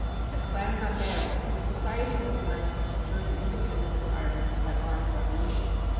The Clan na Gael is a society organized to secure the independence of Ireland by armed revolution.